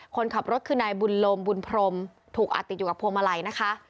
คนขับรถคือนายบุญโลมบุญพรมถูกอัดติดอยู่กับพวงมาลัยนะคะ